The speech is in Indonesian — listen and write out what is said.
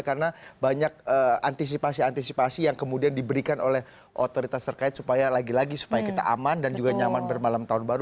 karena banyak antisipasi antisipasi yang kemudian diberikan oleh otoritas terkait supaya lagi lagi supaya kita aman dan juga nyaman bermalam tahun baru